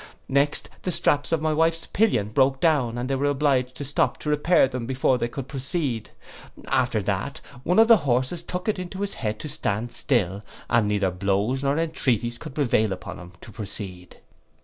Next the straps of my wife's pillion broke down, and they were obliged to stop to repair them before they could proceed. After that, one of the horses took it into his head to stand still, and neither blows nor entreaties could prevail with him to proceed.